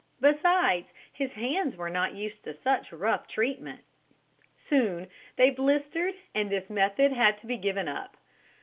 Besides his hands were not used to such rough treatment. Soon they blistered and this method had to be given up.